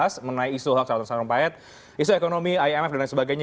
sebagai ekonomi imf dan lain sebagainya